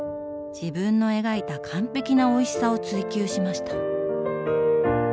自分の描いた完璧なおいしさを追求しました。